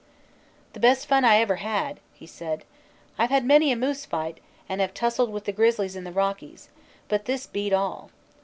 "The best fun I ever had," he said. "I ve had many a moose fight and have tussled with the grizzly in the Rockies, but this beat all.